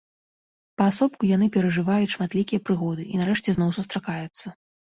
Паасобку яны перажываюць шматлікія прыгоды і нарэшце зноў сустракаюцца.